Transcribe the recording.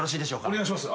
お願いします。